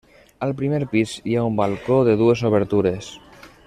Al primer pis hi ha un balcó de dues obertures.